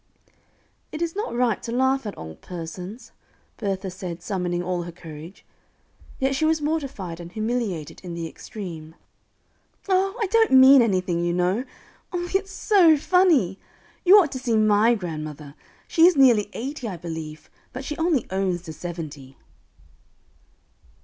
"It is not right to laugh at old persons," Bertha said, summoning all her courage; yet she was mortified and humiliated in the extreme. "Oh! I don't mean anything, you know only it's so funny! You ought to see my grandmother. She is nearly eighty, I believe, but she only owns to seventy."